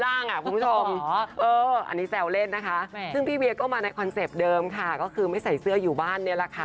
คุณผู้ชมอันนี้แซวเล่นนะคะซึ่งพี่เวียก็มาในคอนเซ็ปต์เดิมค่ะก็คือไม่ใส่เสื้ออยู่บ้านนี่แหละค่ะ